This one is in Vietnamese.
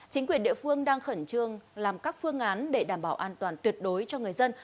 chính quyền địa phương đang khẩn trương làm các phương án để đảm bảo an toàn tuyệt đối cho người dân